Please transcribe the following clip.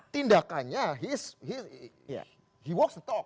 tindakannya dia berbicara